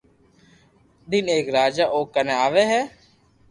دن ايڪ راجا او ڪني آوي ھي